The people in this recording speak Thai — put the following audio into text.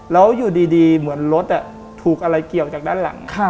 แล้วอยู่ดีเหมือนรถถูกอะไรเกี่ยวจากด้านหลัง